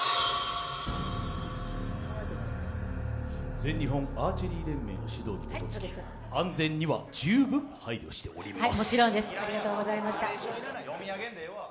全日本アーチェリー連盟の指導に基づき安全には十分配慮しております。